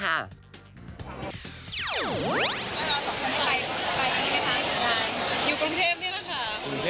ใครยกนี่ด้วยคะอยู่ในไหน